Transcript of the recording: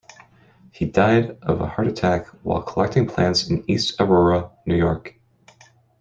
He died of a heart attack while collecting plants in East Aurora, New York.